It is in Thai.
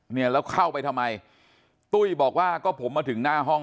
เนี่ยแล้วเข้าไปทำไมตุ้ยบอกว่าก็ผมมาถึงหน้าห้อง